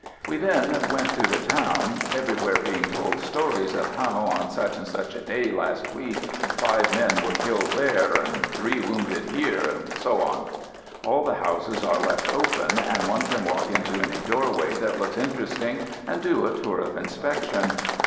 We then went through the town, everywhere being told stories of how, on such and such a day last week, five men were killed there and three wounded here, etc. All the houses are left open, and one can walk into any doorway that looks interesting and do a tour of inspection.